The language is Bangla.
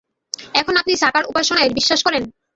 এখন আপনি সাকার-উপাসনায় বিশ্বাস করেন?